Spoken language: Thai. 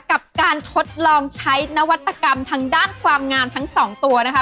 กับการทดลองใช้นวัตกรรมทางด้านความงามทั้งสองตัวนะคะ